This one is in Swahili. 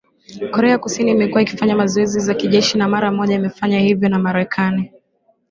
korea kusini imekuwa ikifanya mazoezi ya kijeshi na mara moja imefanya hivyo na marekani